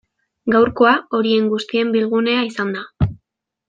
Gaurkoa horien guztien bilgunea izan da.